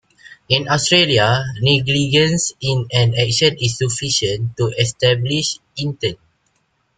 In Australia, negligence in an action is sufficient to establish intent.